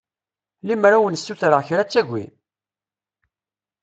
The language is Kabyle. Lemmer ad wen-ssutreɣ kra ad tagim?